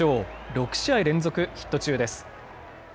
６試合連続ヒット中です。